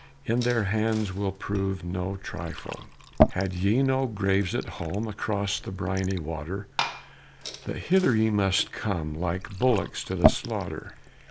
In their hands will prove no trifle! Had ye no graves at home Across the briny water, That hither ye must come, Like bullocks to the slaughter?